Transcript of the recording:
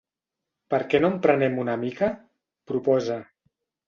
¿Per què no en prenem una mica?, proposa.